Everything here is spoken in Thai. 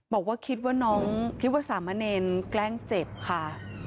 บอกว่าคิดว่าน้องคิดว่าสามะเนรแกล้งเจ็บค่ะ